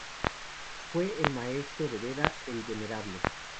Fue el maestro de Beda el Venerable.